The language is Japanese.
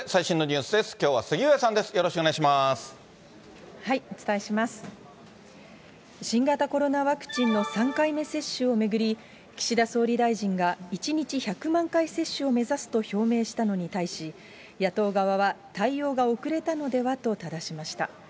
新型コロナワクチンの３回目接種を巡り、岸田総理大臣が、１日１００万回接種を目指すと表明したのに対し、野党側は、対応が遅れたのではと、ただしました。